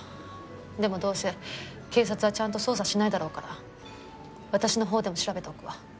でもどうせ警察はちゃんと捜査しないだろうから私のほうでも調べておくわ。